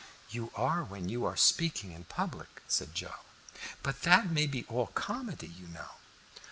"You are when you are speaking in public," said Joe. "But that may be all comedy, you know.